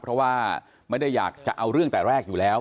เพราะว่าไม่ได้อยากจะเอาเรื่องแต่แรกอยู่แล้ว